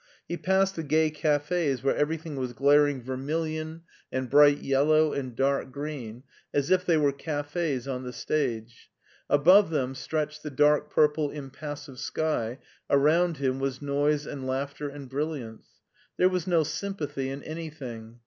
He passed the gay cafes where everything was glaring vermilion and bright yellow and dark green, as if they were cafes on the stage. Above him stretched the dark purple impassive sky, around him was noise and laughter and brilliance. There was no sympathy in anything.